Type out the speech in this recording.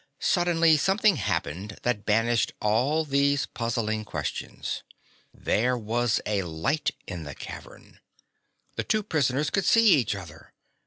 Suddenly something happened that banished all these puzzling questions. There was a light in the cavern! The two prisoners could see each other!